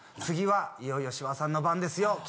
「次はいよいよ芝さんの番ですよ。